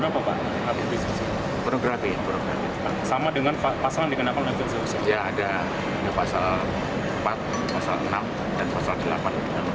jadi untuk saksi ars yang kita naikkan yang kita tingkatkan jadi tersangka